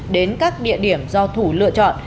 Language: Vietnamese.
đến các địa điểm do thủ lựa chọn